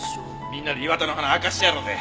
みんなで磐田の鼻明かしてやろうぜ。